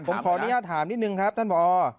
ผมขออนุญาตถามนิดนึงครับท่านผอ